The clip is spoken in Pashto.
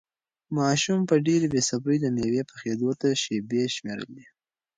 ماشوم په ډېرې بې صبري د مېوې پخېدو ته شېبې شمېرلې.